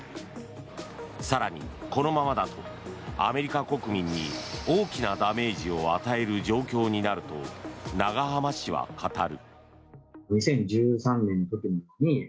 更に、このままだとアメリカ国民に大きなダメージを与える状況になると永濱氏は語る。